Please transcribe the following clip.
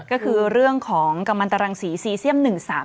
ก็คือเรื่องของกำลังตรังสีซีเซียม๑๓